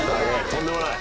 とんでもない。